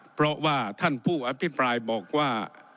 เพราะว่าท่านผู้อภิปรายบอกว่า